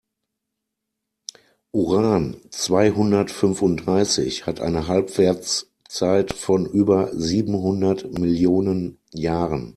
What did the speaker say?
Uran-zweihundertfünfunddreißig hat eine Halbwertszeit von über siebenhundert Millionen Jahren.